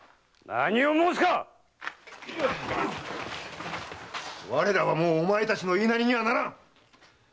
何を申すか⁉我らはもうお前たちの言いなりにはならん！